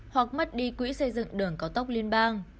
hoặc mất đi quỹ xây dựng đường cao tốc liên bang